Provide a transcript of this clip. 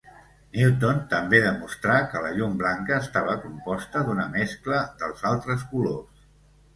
Newton també demostrà que la llum blanca estava composta d'una mescla dels altres colors.